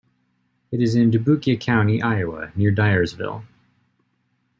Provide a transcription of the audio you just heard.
It is in Dubuque County, Iowa, near Dyersville.